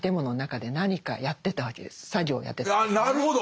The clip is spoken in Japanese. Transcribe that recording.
なるほど！